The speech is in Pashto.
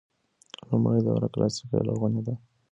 لومړۍ دوره کلاسیکه یا لرغونې ده.